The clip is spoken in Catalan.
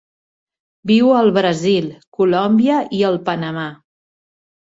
Viu al Brasil, Colòmbia i el Panamà.